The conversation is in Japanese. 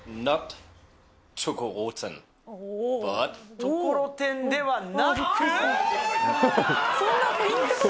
ところてんではなく。